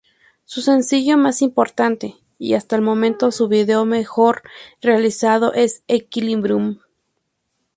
Su sencillo más importante, y hasta el momento su vídeo mejor realizado, es "Equilibrium".